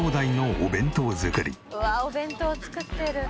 うわあお弁当作ってる！